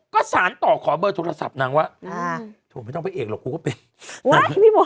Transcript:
ก็สารต่อขอเบอร์โทรศัพท์นางว่าโถไม่ต้องพระเอกหรอกกูก็เป็น